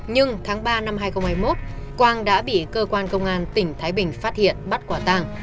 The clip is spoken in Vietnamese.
nhưng tháng ba năm hai nghìn hai mươi một quang đã bị cơ quan công an tỉnh thái bình phát hiện bắt quả tàng